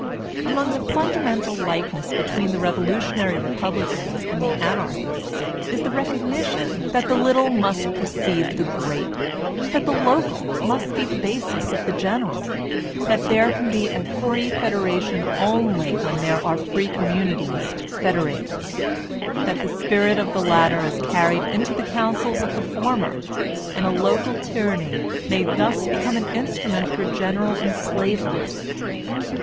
Among the fundamental likenesses between the Revolu tionary Republicans and the Anarchists is the recognition that the little must precede the great ; that the local must be the basis of the general ; that there can be a free fed eration only when there are free communities to federate ; that the spirit of the latter is carried into the councils of the former, and a local tyranny may thus become an in strument for general enslavement.